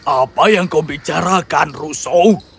apa yang kau bicarakan russo